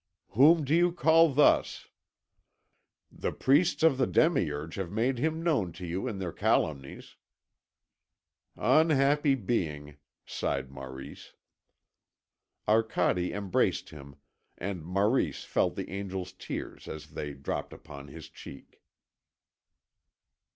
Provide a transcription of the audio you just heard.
"Whom do you call thus?" "The priests of the demiurge have made him known to you in their calumnies." "Unhappy being," sighed Maurice. Arcade embraced him, and Maurice felt the angel's tears as they dropped upon his cheek.